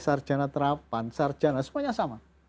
sarjana terapan sarjana semuanya sama